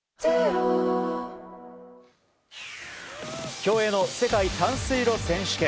競泳の世界短水路選手権。